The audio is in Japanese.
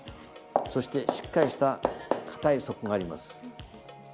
そしてしっかりした硬い底があります。